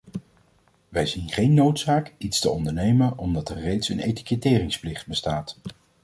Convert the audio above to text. Wij zien geen noodzaak iets te ondernemen, omdat er reeds een etiketteringsplicht bestaat.